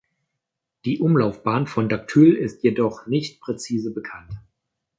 Die Umlaufbahn von Dactyl ist jedoch nicht präzise bekannt.